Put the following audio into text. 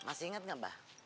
masih inget gak mbah